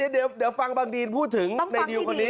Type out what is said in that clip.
เดี๋ยวฟังบางดีนพูดถึงในดิวคนนี้